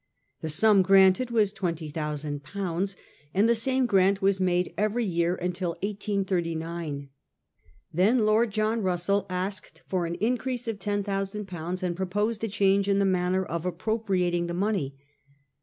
The sum granted was twenty thousand pounds, and the same grant was made every year until 1839. Then Lord John Bussell asked for an in crease of ten thousand pounds, and proposed a change in the manner of appropriating the money.